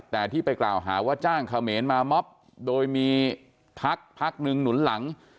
แต่ที่ไปกล่าวหาว่าจ้างเขมรมามอบโดยมีพักพักหนึ่งหนุนหลัง